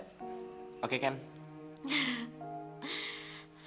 kita akan ngelacak dimana merry berada